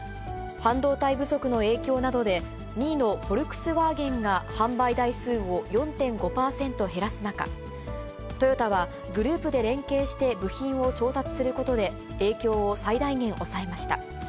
半導体不足の影響などで、２位のフォルクスワーゲンが販売台数を４．５％減らす中、トヨタは、グループで連携して部品を調達することで、影響を最大限抑えました。